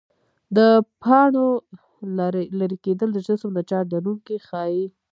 د پاڼو لیري کېدل جسم د چارج لرونکی ښيي.